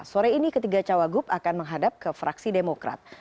sore ini ketiga cawagup akan menghadap ke fraksi demokrat